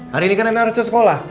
hari ini kan reina harus ke sekolah